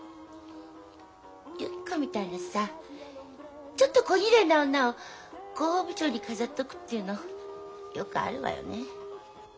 ゆき子みたいなさちょっとこぎれいな女を広報部長に飾っとくっていうのよくあるわよね。